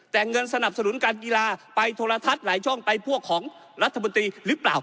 แต่เงินสนับสนุนการกีฬาไปโทรทัศน์หลายช่องไปพวกของรัฐมนตรีหรือเปล่า